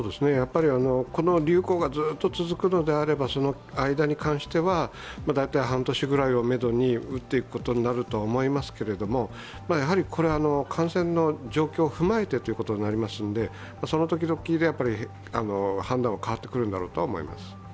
この流行がずっと続くのであれば、その間に関しては大体半年ぐらいをめどに打っていくことになるとは思いますがやはりこれ、感染の状況を踏まえてということになりますのでその時々で判断が変わってくるんだろうと思います。